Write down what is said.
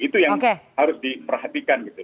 itu yang harus diperhatikan gitu